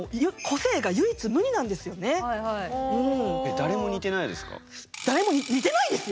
誰も似てないですか？